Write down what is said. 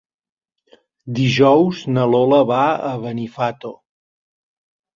Dijous na Lola va a Benifato.